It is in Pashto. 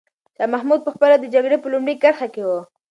شاه محمود په خپله د جګړې په لومړۍ کرښه کې و.